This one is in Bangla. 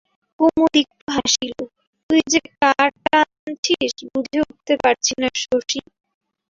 কুমুদ একটু হাসিল, তুই যে কার টানছিস বুঝে উঠতে পারছি না শশী।